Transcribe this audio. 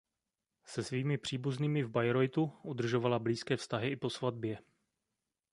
Se svými příbuznými v Bayreuthu udržovala blízké vztahy i po svatbě.